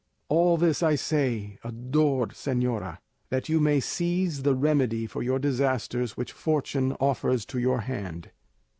All this I say, adored señora, that you may seize the remedy for your disasters which fortune offers to your hand.